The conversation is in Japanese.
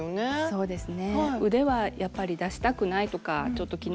そうですね。